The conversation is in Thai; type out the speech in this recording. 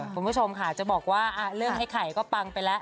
คุณผู้ชมค่ะจะบอกว่าเรื่องไอ้ไข่ก็ปังไปแล้ว